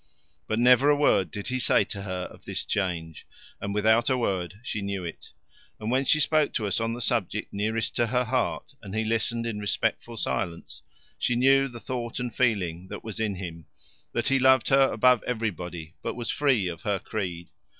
But never a word did he say to her of this change, and without a word she knew it, and when she spoke to us on the subject nearest to her heart and he listened in respectful silence, she knew the thought and feeling that was in him that he loved her above everybody but was free of her creed.